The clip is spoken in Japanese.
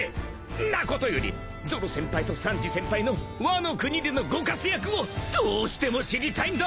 んなことよりゾロ先輩とサンジ先輩のワノ国でのご活躍をどうしても知りたいんだべ！